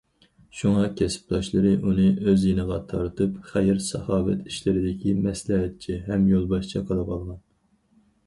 شۇڭا، كەسىپداشلىرى ئۇنى ئۆز يېنىغا تارتىپ، خەير- ساخاۋەت ئىشلىرىدىكى مەسلىھەتچى ھەم يولباشچى قىلىۋالغان.